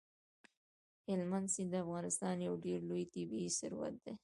هلمند سیند د افغانستان یو ډېر لوی طبعي ثروت دی.